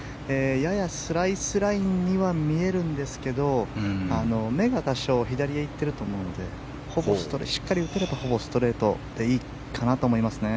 ややスライスラインには見えるんですけど目が多少左へ行ってると思うのでしっかり打てればほぼストレートでいいかなと思いますね。